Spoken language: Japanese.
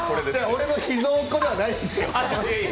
俺の秘蔵っ子ではないですよ。